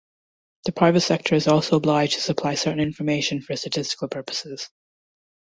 The private sector is also obliged to supply certain information for statistical purposes.